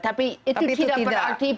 tapi itu tidak berarti